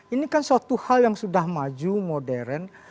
ini kan suatu hal yang sudah maju modern